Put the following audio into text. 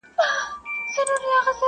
شاهینان وه چي کوترې یې خوړلې!.